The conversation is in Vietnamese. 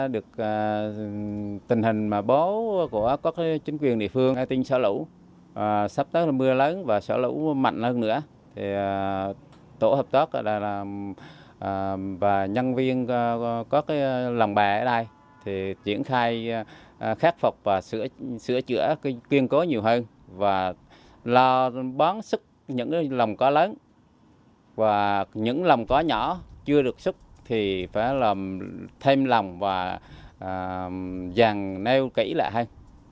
do bán sức những lồng cá lớn và những lồng cá nhỏ chưa được sức thì phải thêm lồng và dàn neo kỹ lại hơn